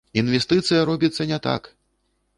Інвестыцыя робіцца не так!